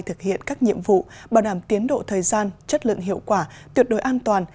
thực hiện các nhiệm vụ bảo đảm tiến độ thời gian chất lượng hiệu quả tuyệt đối an toàn